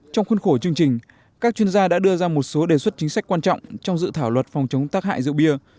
trong khuôn khổ chương trình các chuyên gia đã đưa ra một số đề xuất chính sách quan trọng trong dự thảo luật phòng chống tác hại rượu bia